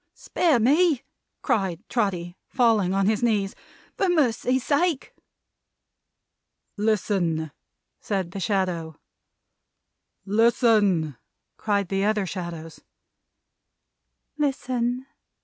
"Spare me," cried Trotty, falling on his knees; "for Mercy's sake!" "Listen!" said the Shadow. "Listen!" cried the other Shadows. "Listen!"